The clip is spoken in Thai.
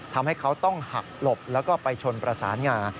ทำให้เขาต้องหักหลบแล้วก็ไปชนประสานงา